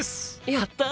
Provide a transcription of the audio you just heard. やった！